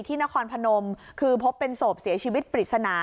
นครพนมคือพบเป็นศพเสียชีวิตปริศนา